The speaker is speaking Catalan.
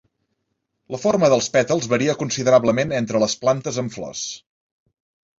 La forma dels pètals varia considerablement entre les plantes amb flors.